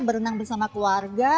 berenang bersama keluarga